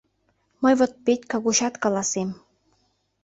Мый вот Петька гочат каласем.